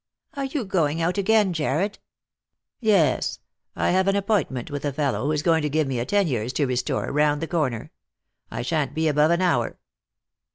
" Are you going out again, Jarred ?"" Yes ; I've an appointment with a fellow who's going to give me a Teniers to restore, round the corner. I shan't be above an hour."